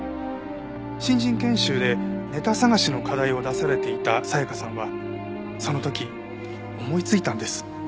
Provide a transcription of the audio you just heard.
新人研修でネタ探しの課題を出されていた紗香さんはその時思いついたんです。